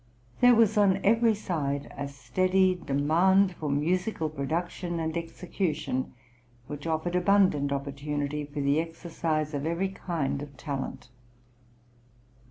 There was on every side a steady demand for musical production and execution, which offered abundant opportunity for the exercise of every kind of talent.